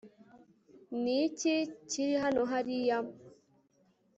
ni iki kiri hano hariya